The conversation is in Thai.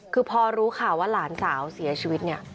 คือพอรู้ข่าวว่าหลานสาวเสียชีวิตเนี่ย